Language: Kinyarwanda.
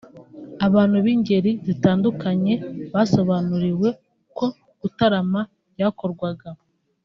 Abantu b’ingeri zitandukanye basobanuriwe uko gutarama byakorwaga